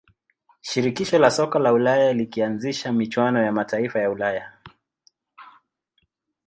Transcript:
shirikisho la soka la ulaya likaanzisha michuano ya mataifa ya ulaya